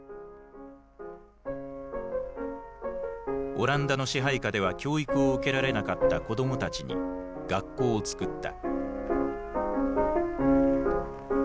オランダの支配下では教育を受けられなかった子どもたちに学校をつくった。